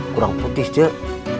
kurang putih cek